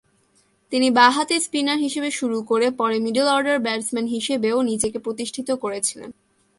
তিনি বাঁহাতি স্পিনার হিসেবে শুরু করে পরে মিডল-অর্ডার ব্যাটসম্যান হিসেবেও নিজেকে প্রতিষ্ঠিত করেছিলেন।